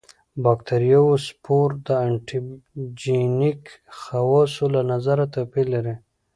د باکتریاوو سپور د انټي جېنیک خواصو له نظره توپیر لري.